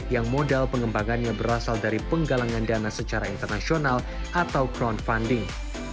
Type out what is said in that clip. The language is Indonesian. yang modal pengembangannya berasal dari penggalangan dana secara internasional atau crowdfunding